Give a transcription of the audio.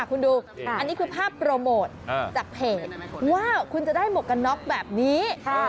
คุณดูอันนี้คือภาพโปรโมทจากเพจว่าคุณจะได้หมวกกันน็อกแบบนี้